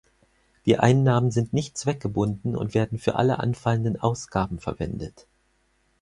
Die Einnahmen sind nicht zweckgebunden und werden für alle anfallenden Ausgaben verwendet.